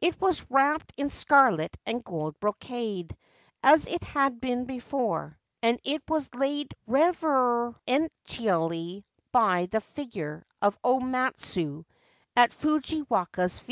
It was wrapped in scarlet and gold brocade, as it had been before, and it was laid reverentially by the figure of O Matsue at Fujiwaka's feet.